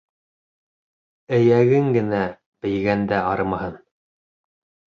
Эйәгең генә бейегәндә арымаһын.